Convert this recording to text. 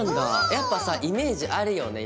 やっぱさイメージあるよね。